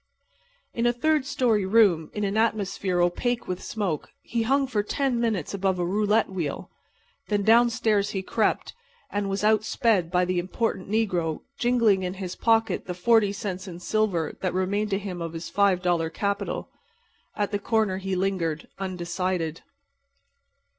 In a third story room, in an atmosphere opaque with smoke, he hung for ten minutes above a roulette wheel. Then downstairs he crept, and was out sped by the important negro, jingling in his pocket the 40 cents in silver that remained to him of his five dollar capital. At the corner he lingered, undecided.